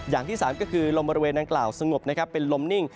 อย่างที่๓ก็คือลมบริเวณดังกล่าวสงบเป็นลมนิ่ง